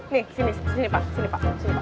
nih sini pak sini pak